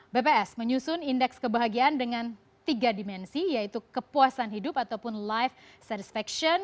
bps menyusun indeks kebahagiaan dengan tiga dimensi yaitu kepuasan hidup ataupun life suristection